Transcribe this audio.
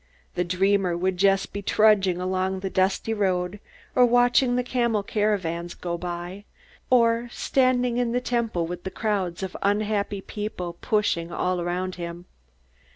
The dreamer would just be trudging along the dusty road, or watching the camel caravans go by, or standing in the Temple with the crowds of unhappy people pushing all around him.